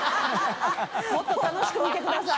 もっと楽しく見てください。